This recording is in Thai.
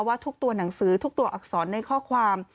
ว่าทุกตัวหนังสือทุกตัวอักษรในข้อความ